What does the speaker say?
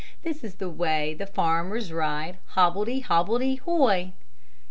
This is the way the farmers ride, Hobbledy hobbledy hoy!